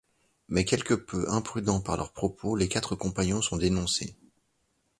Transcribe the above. Mais quelque peu imprudents par leurs propos, les quatre compagnons sont dénoncés.